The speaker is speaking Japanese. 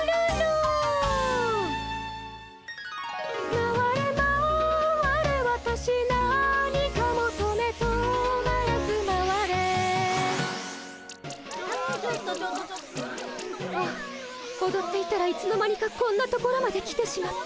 まわれまわれわたし何かもとめ止まらずまわれああおどっていたらいつの間にかこんなところまで来てしまった。